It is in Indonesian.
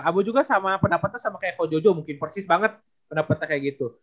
abo juga sama pendapatnya sama kayak ko jojo mungkin persis banget pendapatnya kayak gitu